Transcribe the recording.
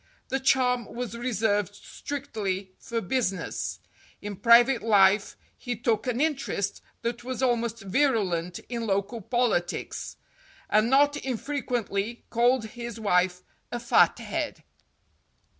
The charm was reserved strictly for business; in private life he took an interest that was almost virulent in local politics, and not infrequently called his wife a fathead.